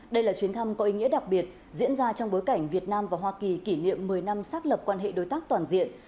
đây là chuyến thăm có ý nghĩa đặc biệt diễn ra trong bối cảnh việt nam và hoa kỳ kỷ niệm một mươi năm xác lập quan hệ đối tác toàn diện